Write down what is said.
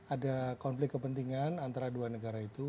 ada konflik kepentingan antara dua negara itu